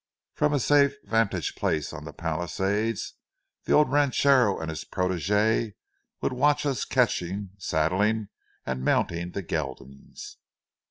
From a safe vantage place on the palisades, the old ranchero and his protégé would watch us catching, saddling, and mounting the geldings.